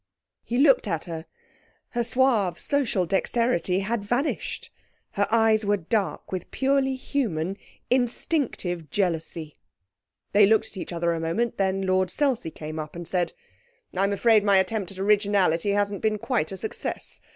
He looked at her. Her suave social dexterity had vanished. Her eyes were dark with purely human instinctive jealousy. They looked at each other a moment, then Lord Selsey came up and said 'I'm afraid my attempt at originality hasn't been quite a success.